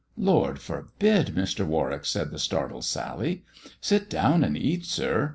" Lord forbid, Mr. Warwick !" said the startled Sally. " Sit down and eat, sir.